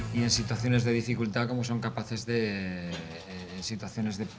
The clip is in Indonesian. habis bisa lihat semuanya sudah berguna